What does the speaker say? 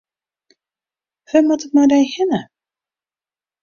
Wêr moat it mei dy hinne?